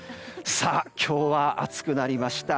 今日は、暑くなりました。